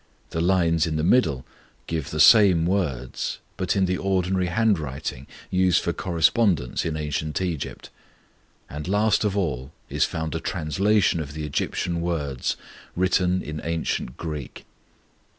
The lines in the middle give the same words, but in the ordinary handwriting used for correspondence in ancient Egypt; and last of all is found a translation of the Egyptian words written in ancient Greek.